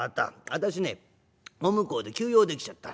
私ねお向こうで急用出来ちゃった。